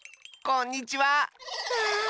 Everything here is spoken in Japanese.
こんにちは！